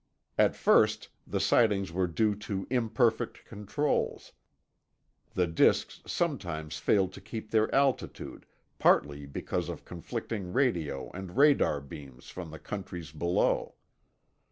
At first, the sightings were due to imperfect controls; the disks sometimes failed to keep their altitude, partly because of conflicting radio and radar beams from the countries below.